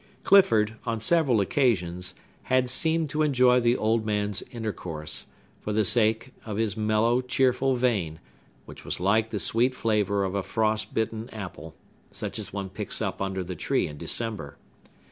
Clifford, on several occasions, had seemed to enjoy the old man's intercourse, for the sake of his mellow, cheerful vein, which was like the sweet flavor of a frost bitten apple, such as one picks up under the tree in December.